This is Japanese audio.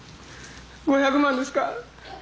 ５００万ですか？